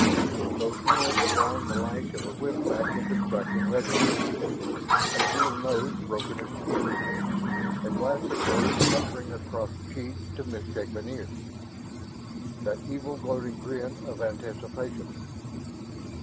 Those hands drawing the lash of a whip back into striking readiness ... a brutal nose broken askew, a blaster burn puckering across cheek to misshapen ear ... that, evil, gloating grin of anticipation.